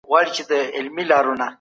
د جرګې د ځانګړو کمېټو مشران څوک دي؟